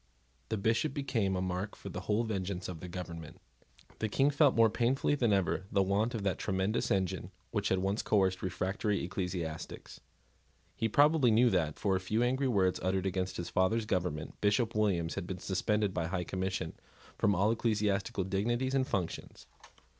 The Bishop became a mark for the whole vengeance of the government. The King felt more painfully than ever the want of that tremendous engine which had once coerced refractory ecclesiastics. He probably knew that, for a few angry words uttered against his father's government, Bishop Williams had been suspended by the High Commission from all ecclesiastical dignities and functions.